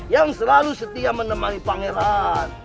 yang selalu setia menemani pangeran